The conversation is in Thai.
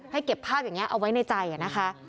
เก็บภาพอย่างนี้เอาไว้ในใจนะคะ